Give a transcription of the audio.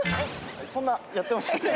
そんなやってましたっけ？